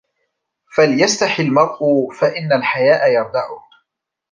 فَلِيَسْتَحِي الْمَرْءُ فَإِنَّ الْحَيَاءَ يَرْدَعُهُ